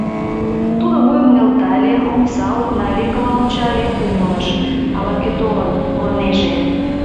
Тудо вуйым нӧлтале, омса, окна векыла ончале, умылыш: ала-кӧ толын, пурынеже.